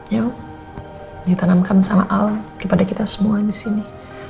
ya ditanamkan sama al kepada kita semua di sini